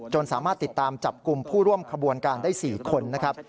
สามารถติดตามจับกลุ่มผู้ร่วมขบวนการได้๔คนนะครับ